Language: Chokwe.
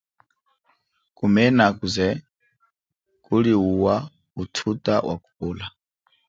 Kumena akuze kuliwuwa uthuta wa kupola.